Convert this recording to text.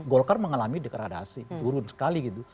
golkar mengalami dekradasi turun sekali gitu